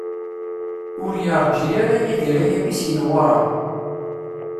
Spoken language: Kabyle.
Ur yerǧi ara Yidir ayagi si Newwara.